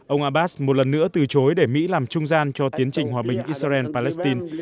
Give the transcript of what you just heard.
ông abbas một lần nữa từ chối để mỹ làm trung gian cho tiến trình hòa bình israel palestine